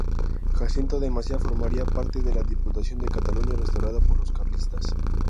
Jacinto de Maciá formaría parte de la Diputación de Cataluña restaurada por los carlistas.